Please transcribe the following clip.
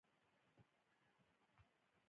د افغانستان په جغرافیه کې ژبې ستر اهمیت لري.